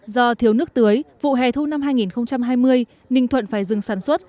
do thiếu nước tưới vụ hè thu năm hai nghìn hai mươi ninh thuận phải dừng sản xuất